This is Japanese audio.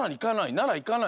ならいかない。